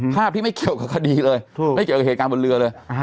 ภาพที่ไม่เกี่ยวกับคดีเลยไม่เกี่ยวกับเหตุการณ์บนเรือเลย